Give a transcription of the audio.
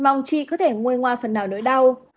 mong chị có thể nguôi ngoa phần nào nỗi đau